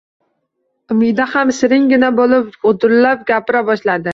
Umida ham shiringina bo`lib g`ujurlab gapira boshladi